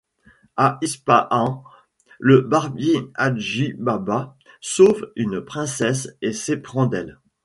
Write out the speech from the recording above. À Ispahan, le barbier Hadji Baba sauve une princesse et s'éprend d'elle.